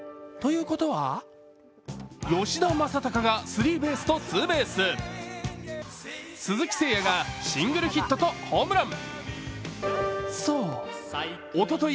吉田正尚がスリーベースとツーベース、鈴木誠也がシングルヒットとホームラン。